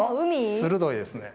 鋭いですね。